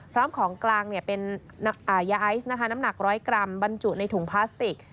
พร้อมของกลางเป็นยาไอซ์นะคะน้ำหนักร้อยกรัมบรรจุในถุงพลาสติก